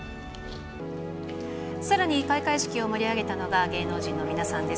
さらに、開会式を盛り上げたのが芸能人の皆さんです。